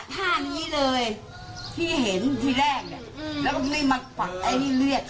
นี่ภาพนี้เลยที่เห็นที่แรก